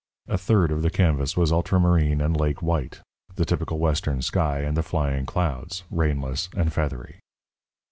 A third of the canvas was ultramarine and lake white the typical Western sky and the flying clouds, rainless and feathery.